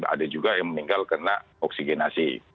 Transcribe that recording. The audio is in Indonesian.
ada juga yang meninggal kena oksigenasi